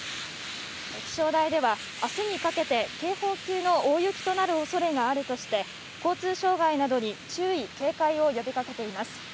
気象台ではあすにかけて、警報級の大雪となるおそれがあるとして、交通障害などに注意、警戒を呼びかけています。